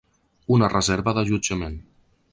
Una reserva d'allotjament.